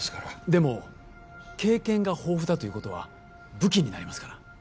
でも経験が豊富だということは武器になりますから